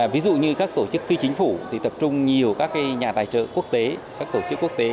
ví dụ như các tổ chức phi chính phủ thì tập trung nhiều các nhà tài trợ quốc tế các tổ chức quốc tế